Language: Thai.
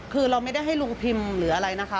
คือเราไม่ได้ให้ลุงพิมพ์หรืออะไรนะคะ